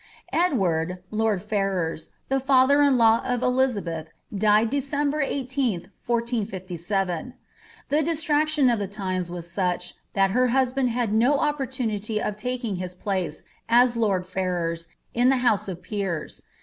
Edward, lord Ferrers, the father in law of Elizabeth, died December 18th, 1457. The distraction of the times was such, that her husband had no opportunity of taking his place, as lord Ferrers, in the house of Era.'